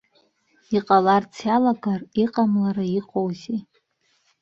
Иҟаларц иалагар, иҟамлара иҟоузеи!